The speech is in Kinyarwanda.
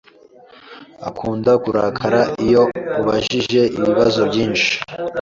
Akunda kurakara iyo ubajije ibibazo byinshi.